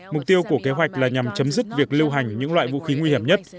mục tiêu của kế hoạch là nhằm chấm dứt việc lưu hành những loại vũ khí nguy hiểm nhất